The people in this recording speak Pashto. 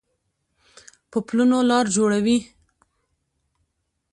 په پلونو لار جوړوي